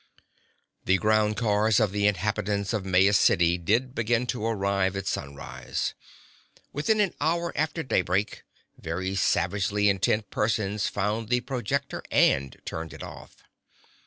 The ground cars of the inhabitants of Maya City did begin to arrive at sunrise. Within an hour after daybreak, very savagely intent persons found the projector and turned it off.